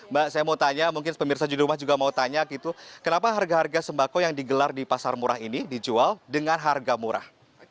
mbak saya mau tanya mungkin pemirsa judul rumah juga mau tanya gitu kenapa harga harga sembako yang digelar di pasar murah ini dijual dengan harga murah